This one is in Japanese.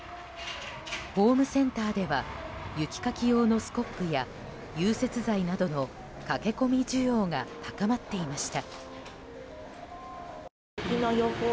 ホームセンターでは雪かき用のスコップや融雪剤などの駆け込み需要が高まっていました。